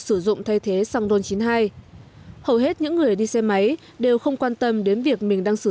sử dụng thay thế xăng ron chín mươi hai hầu hết những người đi xe máy đều không quan tâm đến việc mình đang sử